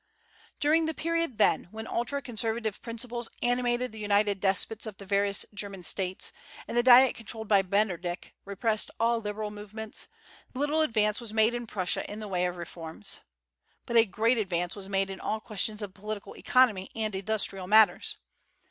During the period, then, when ultra conservative principles animated the united despots of the various German States, and the Diet controlled by Metternich repressed all liberal movements, little advance was made in Prussia in the way of reforms. But a great advance was made in all questions of political economy and industrial matters.